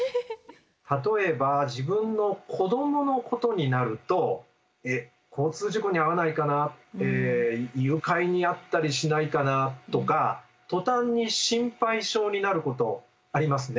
例えば自分の子どものことになると交通事故に遭わないかな誘拐に遭ったりしないかなとか途端に心配性になることありますね？